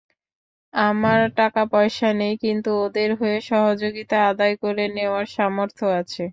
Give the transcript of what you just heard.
আমার টাকাপয়সা নেই, কিন্তু ওদের হয়ে সহযোগিতা আদায় করে নেওয়ার সামর্থ্য আছে।